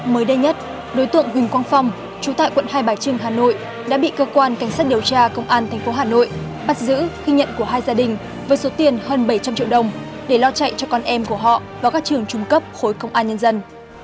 mới đây nhất đối tượng huỳnh quang phong chú tại quận hai bà trưng hà nội đã bị cơ quan cảnh sát điều tra công an tp hà nội bắt giữ khi nhận của hai gia đình với số tiền hơn bảy trăm linh triệu đồng để lo chạy cho con em của họ vào các trường trung cấp khối công an nhân dân